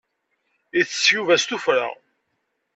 Itess Yuba s tuffra.